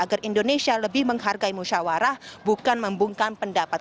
agar indonesia lebih menghargai musyawarah bukan membungkam pendapat